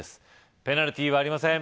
ペナルティーはありません